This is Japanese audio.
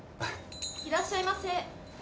いらっしゃいませ。